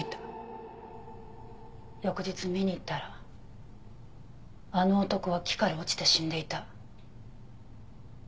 翌日見に行ったらあの男は木から落ちて死んでいた。